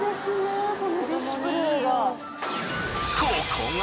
ここが。